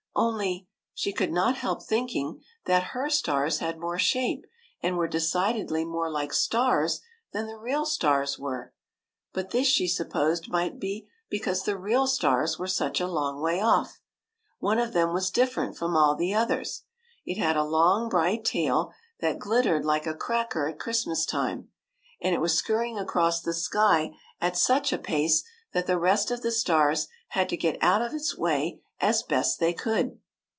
Only, she could not help thinking that her stars had more shape and were decidedly more like stars than the real stars were ; but this, she supposed, might be because the real stars were such a long way off. One of them was different from all the others ; it had a long bright tail that glittered like a cracker at Christmas time, and it was scurrying across the sky at such a pace that the rest of the stars had to get out of its way as best they could.